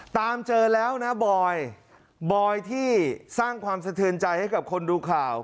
ตามเจอแล้วนะบอยบอยที่สร้างความสะเทือนใจให้กับคนดูข่าว